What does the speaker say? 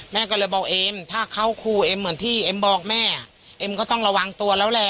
แม่ก็เลยบอกเอ็มถ้าเข้าครูเอ็มเหมือนที่เอ็มบอกแม่เอ็มก็ต้องระวังตัวแล้วแหละ